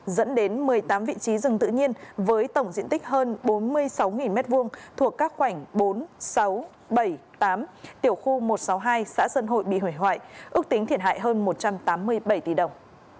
dẫn đến một mươi tám vị trí rừng tự nhiên với tổng diện tích hơn bốn mươi sáu m hai thuộc các khoảnh bốn sáu bảy tám tiểu khu một trăm sáu mươi hai xã sơn hội bị hủy hoại ước tính thiệt hại hơn một trăm tám mươi bảy tỷ đồng